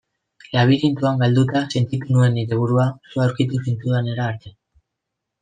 Labirintoan galduta sentitu nuen nire burua zu aurkitu zintudanera arte.